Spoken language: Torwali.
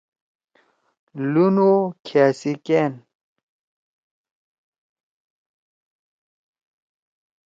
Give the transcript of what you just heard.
لُن او کِھیا سی گأن۔